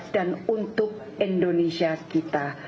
dan untuk indonesia kita